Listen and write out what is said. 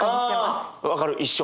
あ分かる一緒。